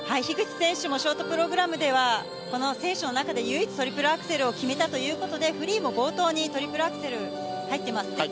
樋口選手もショートプログラムでは、この選手の中で唯一トリプルアクセルを決めたということで、フリーも冒頭にトリプルアクセル入ってます。